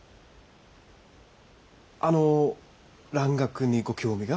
あの蘭学にご興味が？